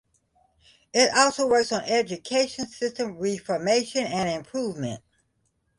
It also works on education system reformation and improvement.